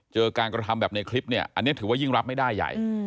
การกระทำแบบในคลิปเนี่ยอันนี้ถือว่ายิ่งรับไม่ได้ใหญ่